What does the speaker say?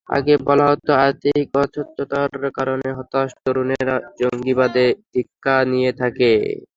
আগে বলা হতো আর্থিক অসচ্ছলতার কারণে হতাশ তরুণেরা জঙ্গিবাদে দীক্ষা নিয়ে থাকে।